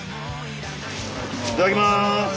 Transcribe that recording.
いただきます！